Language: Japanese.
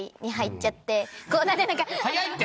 早いって！